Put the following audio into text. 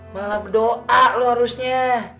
malah berdoa lu harusnya